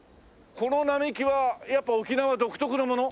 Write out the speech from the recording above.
この並木はやっぱ沖縄独特のもの？